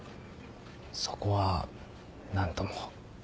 そこは何とも。